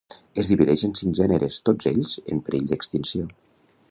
Es divideix en cinc gèneres, tots ells en perill d'extinció.